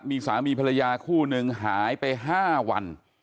มีสามีภรรยาคู่หนึ่งหายไป๕วัน